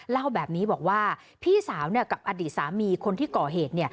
เล่าแบบนี้บอกว่าพี่สาวกับอดีตสามีคนที่ก่อเหตุ